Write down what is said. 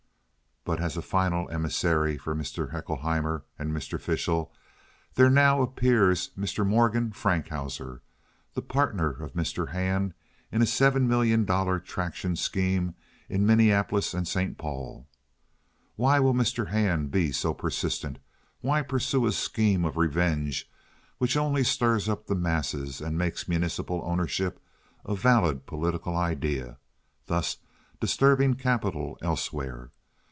But as a final emissary for Mr. Haeckelheimer and Mr. Fishel there now appears Mr. Morgan Frankhauser, the partner of Mr. Hand in a seven million dollar traction scheme in Minneapolis and St. Paul. Why will Mr. Hand be so persistent? Why pursue a scheme of revenge which only stirs up the masses and makes municipal ownership a valid political idea, thus disturbing capital elsewhere?